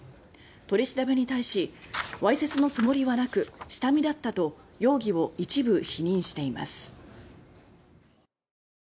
取り調べに対し「わいせつのつもりはなく下見だった」と容疑を一部否認しています。